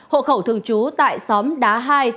hộ khẩu thường trú tại xóm đá hai